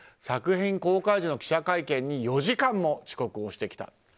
作品公開時の記者会見に４時間も遅刻をしてきた。